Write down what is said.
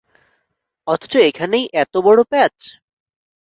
অথচ এখানেই এতবড় প্যাচ!